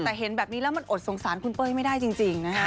แต่เห็นแบบนี้แล้วมันอดสงสารคุณเป้ยไม่ได้จริงนะคะ